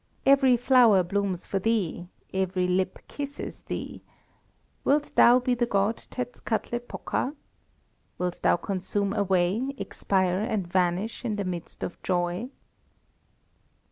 Every flower blooms for thee, every lip kisses thee. Wilt thou be the god Tetzkatlepoka? Wilt thou consume away, expire, and vanish in the midst of joy?"